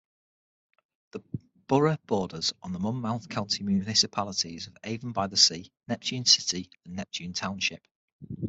The borough borders the Monmouth County municipalities of Avon-by-the-Sea, Neptune City and Neptune Township.